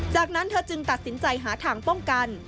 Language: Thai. จากนั้นเธอจึงตัดสินใจหาทางป้องกัน